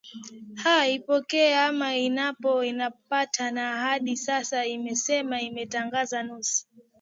aa ipokea ama inapo inapopata na hadi sasa imesema imetangaza nusu